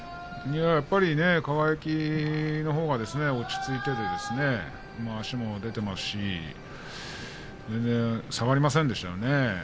やっぱりね輝のほうが落ち着いて足も出ていますし全然下がりませんでしたね。